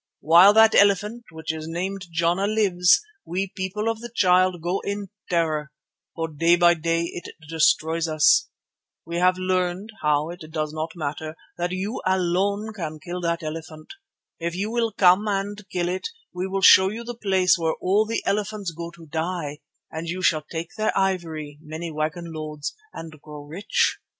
While that elephant, which is named Jana, lives we, the People of the Child, go in terror, for day by day it destroys us. We have learned—how it does not matter—that you alone can kill that elephant. If you will come and kill it, we will show you the place where all the elephants go to die, and you shall take their ivory, many wagon loads, and grow rich.